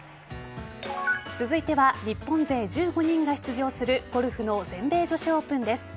続いては日本勢１５人が出場するゴルフの全米女子オープンです。